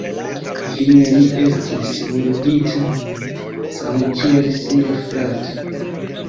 Fine li estis murdita samkiel sia frato.